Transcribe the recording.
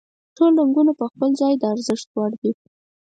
ټول رنګونه په خپل ځای د ارزښت وړ دي.